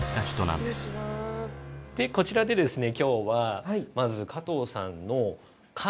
こちらでですね